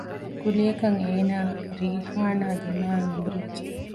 ކުއްލިއަކަށް އޭނާ ރީޙާނާ ދިމާއަށް އެނބުރިއްޖެ